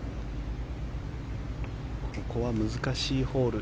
ここは難しいホール。